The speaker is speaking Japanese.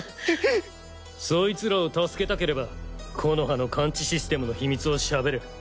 ソイツらを助けたければ木ノ葉の感知システムの秘密をしゃべれ。